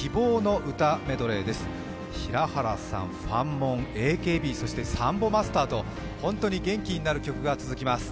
平原さん、ファンモン、ＡＫＢ、そしてサンボマスターと本当に元気になる曲が続きます。